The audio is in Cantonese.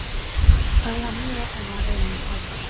佢諗嘢同我哋唔同